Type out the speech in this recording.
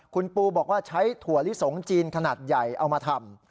คุณปูบอกว่าใช้ถั่วลิสงจีนขนาดใหญ่เอามาทำ